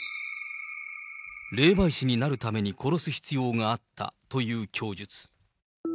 霊媒師になるために殺す必要があったという供述。